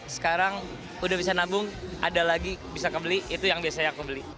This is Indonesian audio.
sekarang udah bisa nabung ada lagi bisa kebeli itu yang biasanya aku beli